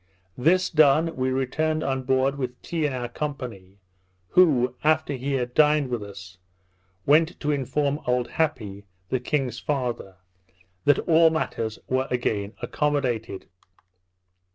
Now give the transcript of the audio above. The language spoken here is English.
This done, we returned on board, with Tee in our company; who, after he had dined with us, went to inform old Happi, the king's father, that all matters were again accommodated.